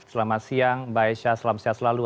selamat siang mbak aisyah salam sehat selalu